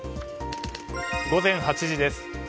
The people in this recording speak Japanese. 午前８時です。